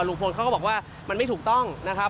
ลุงพลเขาก็บอกว่ามันไม่ถูกต้องนะครับ